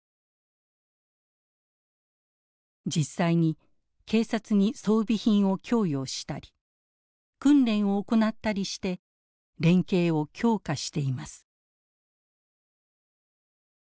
実際に警察に装備品を供与したり訓練を行ったりして連携を強化しています。